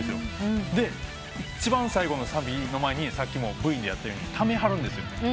で一番最後のサビの前にさっきもＶでやったようにためはるんですよ。